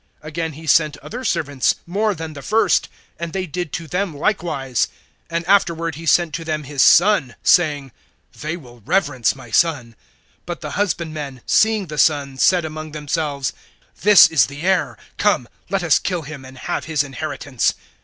(36)Again he sent other servants, more than the first; and they did to them likewise. (37)And afterward he sent to them his son, saying: They will reverence my son. (38)But the husbandmen, seeing the son, said among themselves: This is the heir; come, let us kill him, and have his inheritance.